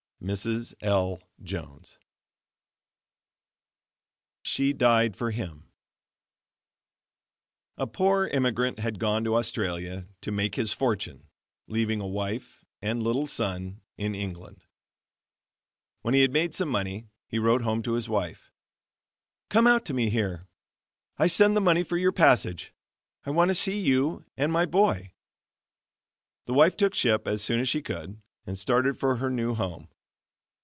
Mrs. L. Jones. SHE DIED FOR HIM A poor emigrant had gone to Australia to "make his fortune," leaving a wife and little son in England. When he had made some money, he wrote home to his wife: "Come out to me here; I send the money for your passage; I want to see you and my boy." The wife took ship as soon as she could, and started for her new home.